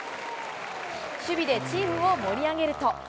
守備でチームを盛り上げると。